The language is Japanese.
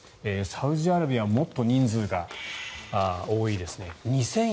サウジアラビアはもっと人数が多いですね。